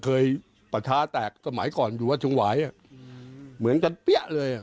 เคยปัชฌาแตกสมัยก่อนอยู่ว่าช่วงหวายอ่ะเหมือนจะเปี้๊ะเลยอ่ะ